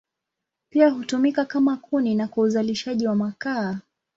Pia hutumika kama kuni na kwa uzalishaji wa makaa.